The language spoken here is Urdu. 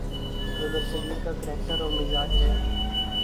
جو برصغیر کا کریکٹر اور مزاج ہے۔